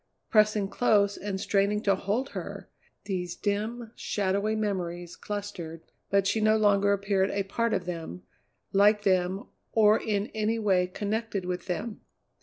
Pressing close and straining to hold her, these dim, shadowy memories clustered, but she no longer appeared a part of them, like them, or in any way connected with them.